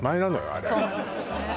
あれそうなんですよね